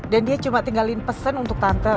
dan dia cuma tinggalin pesan untuk tante